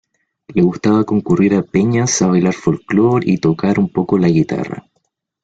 Le gustaba concurrir a peñas a bailar folclore y tocar un poco la guitarra.